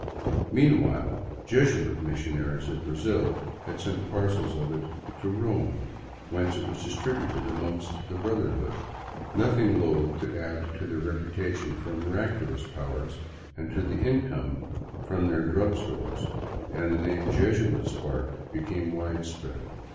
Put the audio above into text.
Meanwhile Jusuit missionaries of Brazil had sent parcels of it to Rome, whence it was distributed among the brotherhood, nothing loathe to add to their reputation for miraculous powers and to the in come from their drug stores, and the name " Jesuits' bark " became widespread.